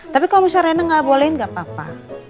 tapi kalau misalnya rena gak bolehin gak apa apa